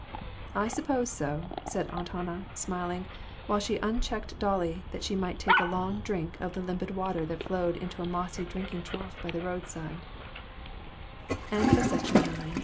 "I s'pose so," said Aunt Hannah, smiling, while she unchecked Dolly, that she might take a long drink of the limpid water that flowed into a mossy drinking trough by the